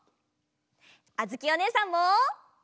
あづきおねえさんも。